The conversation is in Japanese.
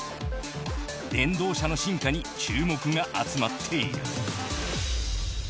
電動車の進化に注目が集まっている。